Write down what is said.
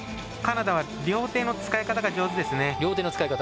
カナダは両手の使い方が上手ですね。